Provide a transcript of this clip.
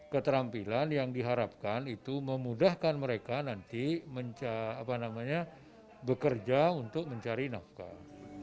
keterampilan yang diharapkan itu memudahkan mereka nanti bekerja untuk mencari nafkah